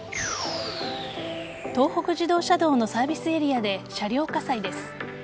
東北自動車道のサービスエリアで車両火災です。